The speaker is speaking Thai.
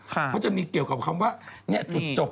ที่เกี่ยวกับคำว่าเนี่ยจุดจบ